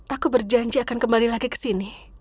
aku berjanji akan kembali lagi ke sini